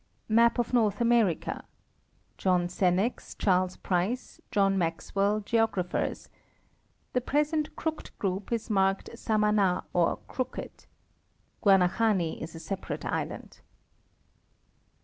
Map or Norra America; John Senex, Charles Price, John Maxwell, geographers: The present Crooked group is marked Samana or Krooked. Guanahani is a separate island.